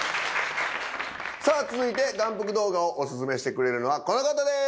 さぁ続いて眼福動画をオススメしてくれるのはこの方です。